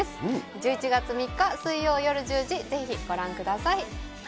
１１月３日水曜夜１０時、ぜひご覧ください。